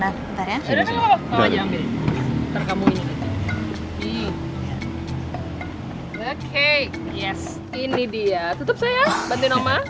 oke ini dia tutup saya bantuin oma